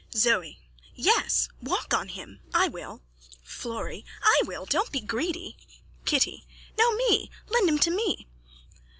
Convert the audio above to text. ZOE: Yes. Walk on him! I will. FLORRY: I will. Don't be greedy. KITTY: No, me. Lend him to me.